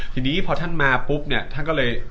ทีนี้พอท่านมาปุ๊บเนี่ยท่านก็เลย